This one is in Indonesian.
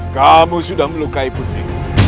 kamu sudah melukai putri